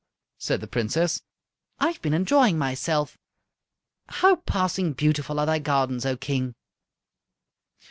said the princess, "I've been enjoying myself. How passing beautiful are thy gardens, O King!"